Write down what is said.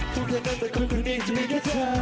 พูดแค่นั้นแต่คนคนนี้ก็จะมีแค่เธอ